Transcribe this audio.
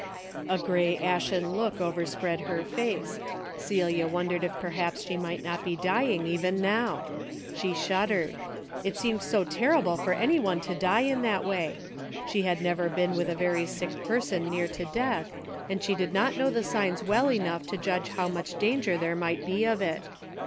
A grey ashen look overspread her face. Celia wondered if perhaps she might not be dying even now. She shuddered. It seemed so terrible for any one to die in that way. She had never been with a very sick person near to death, and she did not know the signs well enough to judge how much danger there might be of it.